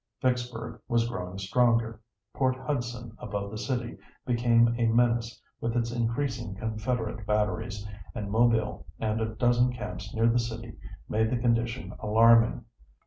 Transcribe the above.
Vicksburg was growing stronger, Port Hudson above the city became a menace with its increasing Confederate batteries, and Mobile and a dozen camps near the city made the condition alarming.